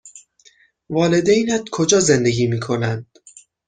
والدینت کجا زندگی می کنند؟